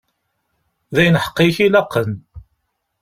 D ayen ḥeqqa i k-ilaqen.